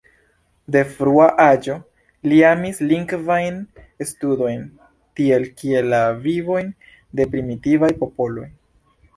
De frua aĝo li amis lingvajn studojn, tiel kiel la vivojn de primitivaj popoloj.